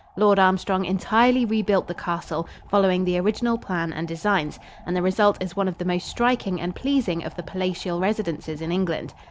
Lord Armstrong entirely rebuilt the castle, following the original plan and designs, and the result is one of the most striking and pleasing of the palatial residences in England.